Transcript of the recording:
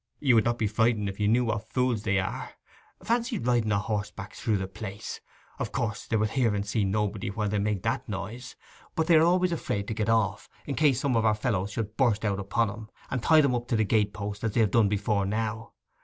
You would not be frightened if you knew what fools they are. Fancy riding o' horseback through the place: of course they will hear and see nobody while they make that noise; but they are always afraid to get off, in case some of our fellows should burst out upon 'em, and tie them up to the gate post, as they have done before now.